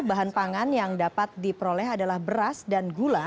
bahan pangan yang dapat diperoleh adalah beras dan gula